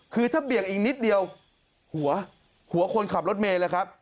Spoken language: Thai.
คือถ้าเบี่ยงอีกนิดเดียวหัวคนขับรถเมย์เลยครับ